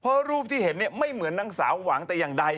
เพราะรูปที่เห็นไม่เหมือนนางสาวหวังแต่อย่างใด